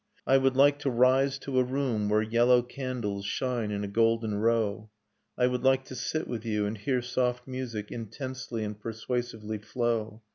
I would like to rise to a room where yellow candles Shine in a golden row : I would like to sit with you, and hear soft music Intensely and persuasively flow